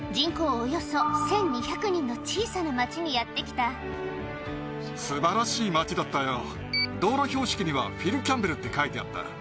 およそ１２００人の小さな町にやって来た道路標識には「フィル・キャンベル」って書いてあった。